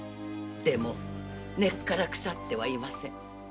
でも根っから腐ってはいません。